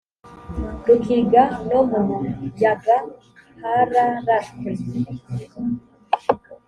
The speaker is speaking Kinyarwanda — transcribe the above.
rukiga no mu buyaga hararashwe